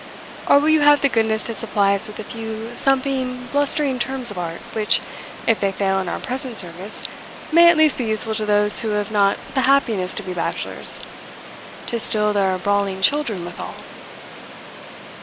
or will you have the goodness to supply us with a few thumping blustering terms of art, which, if they fail in our present service, may at least be useful to those who have not the happiness to be bachelors, to still their brawling children withal?"